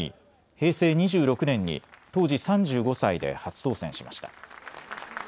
平成２６年に当時３５歳で初当選しました。